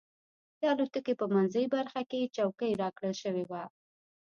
د الوتکې په منځۍ برخه کې چوکۍ راکړل شوې وه.